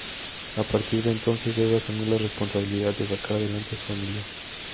A partir de entonces debe asumir la responsabilidad de sacar adelante a su familia.